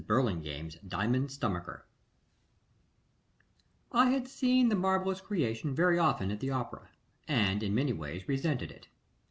BURLINGAME'S DIAMOND STOMACHER I had seen the marvellous creation very often at the opera, and in many ways resented it.